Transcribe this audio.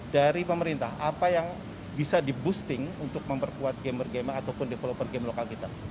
dari pemerintah apa yang bisa di boosting untuk memperkuat gamer gamer ataupun developer game lokal kita